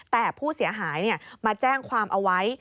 แต่ผู้เสียหายมาแจ้งความเอาไว้